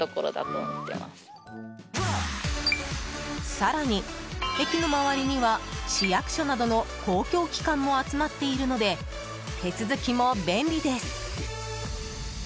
更に駅の周りには市役所などの公共機関も集まっているので手続きも便利です。